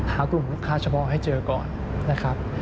หากลุ่มลูกค้าเฉพาะให้เจอก่อนนะครับ